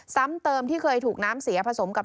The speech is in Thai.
ซ้ำเติมที่เคยถูกน้ำเสียผสมกับ